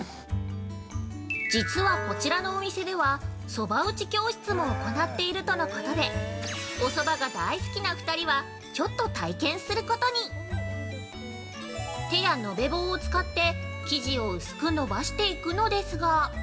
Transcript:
◆実はこちらのお店ではそば打ち教室も行っているとのことで、お蕎麦が大好きな二人はちょっと体験することに手や延べ棒を使って生地を薄く伸ばしていくのですが◆